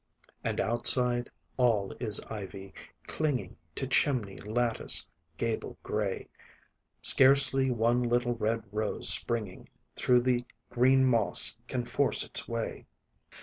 And outside all is ivy, clinging To chimney, lattice, gable grey; Scarcely one little red rose springing Through the green moss can force its way.